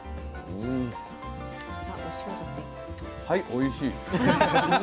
はいおいしい。